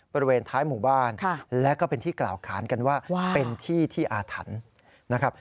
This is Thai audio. บริเวณท้ายหมู่บ้านและก็เป็นที่กล่าวขานกันว่าเป็นที่ที่อาถรรพ์นะครับ